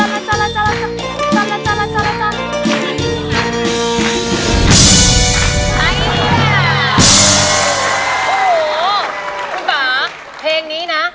คุณป่าเพลงนี้นะ